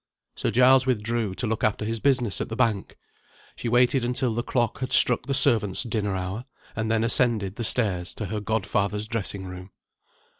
Sir Giles withdrew, to look after his business at the bank. She waited until the clock had struck the servants' dinner hour, and then ascended the stairs to her godfather's dressing room.